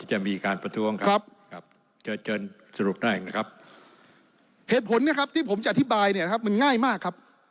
เหตุผลที่ผมจะอธิบายมันง่ายมากครับ